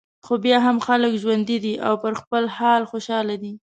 خو بیا هم خلک ژوندي دي او پر خپل حال خوشاله دي.